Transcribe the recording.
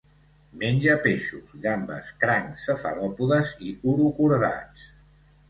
Menja peixos, gambes, crancs, cefalòpodes i urocordats.